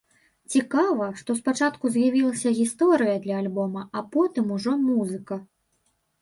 Цікава, што спачатку з'явілася гісторыя для альбома, а потым ужо музыка.